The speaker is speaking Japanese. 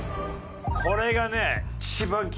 これがね。